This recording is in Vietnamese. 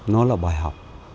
nó là bài học